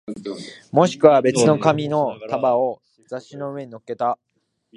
もしくは別の紙の束を雑誌の上に乗っけた